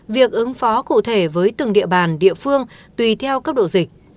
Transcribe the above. việc ứng phó cụ thể với từng địa bàn địa phương tùy theo cấp độ dịch